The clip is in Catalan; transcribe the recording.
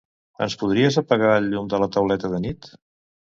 Ens podries apagar el llum de la tauleta de nit?